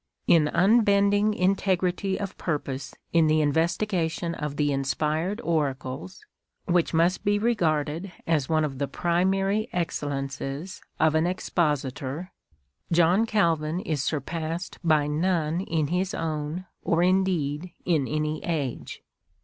In unbending integrity of purpose in the investigation of the Inspired Oracles — which must be regarded as one of the primary excellences of an Expositor — John Calvin is surpassed by none in his own, or indeed in any age.